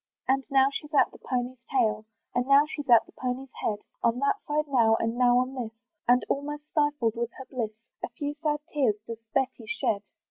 And now she's at the pony's tail, And now she's at the pony's head, On that side now, and now on this, And almost stifled with her bliss, A few sad tears does Betty shed.